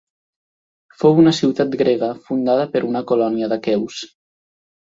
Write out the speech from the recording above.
Fou una ciutat grega fundada per una colònia d'aqueus.